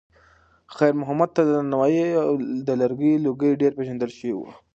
خیر محمد ته د نانوایۍ د لرګیو لوګی ډېر پیژندل شوی و.